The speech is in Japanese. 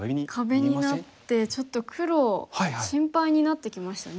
壁になってちょっと黒心配になってきましたね。